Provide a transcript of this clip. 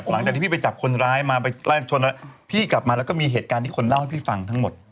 หลังจากที่พี่ไปจับคนร้ายมาไปไล่ชนแล้วพี่กลับมาแล้วก็มีเหตุการณ์ที่คนเล่าให้พี่ฟังทั้งหมด